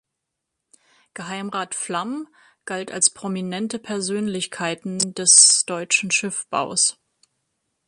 Geheimrat Flamm galt als prominente Persönlichkeiten des deutschen Schiffbaus.